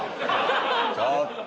ちょっと！